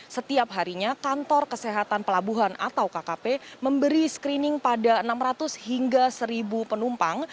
setiap harinya kantor kesehatan pelabuhan atau kkp memberi screening pada enam ratus hingga seribu penumpang